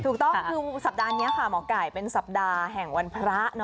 ถูกต้องคือสัปดาห์นี้ค่ะหมอไก่เป็นสัปดาห์แห่งวันพระ